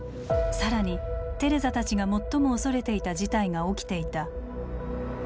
更にテレザたちが最も恐れていた事態が起きていた。